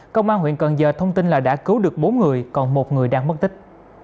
công an huyện cần giờ thông tin là đã cứu được bốn người còn một người đang mất tích